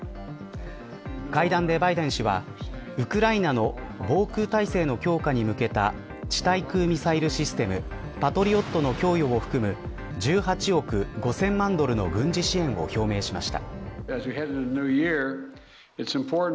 会談でバイデン氏はウクライナの防空体制の強化に向けた地対空ミサイルシステムパトリオットの供与を含む１８億５０００万ドルの軍事支援を表明しました。